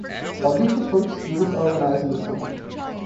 Auditions for each series are organized in the summer.